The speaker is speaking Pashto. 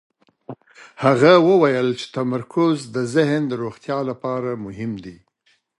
هغه وویل چې تمرکز د ذهن د روغتیا لپاره مهم دی.